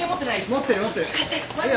持ってる持ってる。